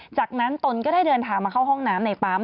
จากนั้นตนก็ได้เดินทางมาเข้าห้องน้ำในปั๊ม